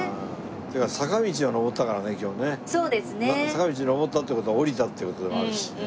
坂道を登ったって事は下りたっていう事でもあるし。